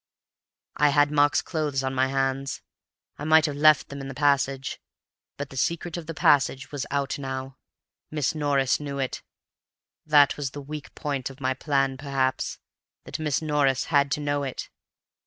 "I had Mark's clothes on my hands. I might have left them in the passage, but the secret of the passage was now out. Miss Norris knew it. That was the weak point of my plan, perhaps, that Miss Norris had to know it.